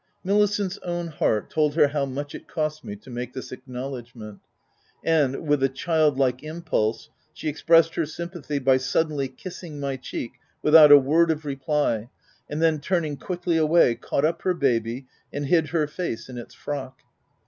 9 * Milicent's own heart told her how much it cost me to make this acknowledgment ; and, with a childlike impulse, she expressed her sympathy by suddenly kissing my cheek, without a word of reply, and then turning quickly away caught up her baby, and hid her face in its frock.